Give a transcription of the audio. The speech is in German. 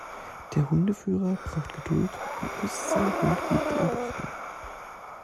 Der Hundeführer braucht Geduld und muss seinen Hund gut beobachten.